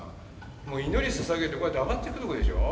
もう祈りささげてこうやって上がっていくとこでしょ。